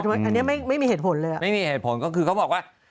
อันนี้ไม่มีเหตุผลเลยอ่ะไม่มีเหตุผลก็คือเขาบอกว่า